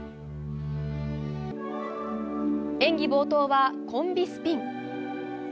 演技冒頭はコンビスピン。